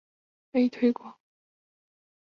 迭代幂次可被推广至无穷高。